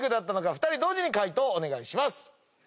２人同時に解答お願いします。